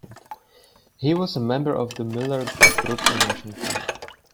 He was a member of the Miller group in Washington.